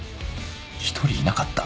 一人いなかった？